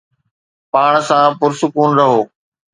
پاڻ سان پرسڪون رهو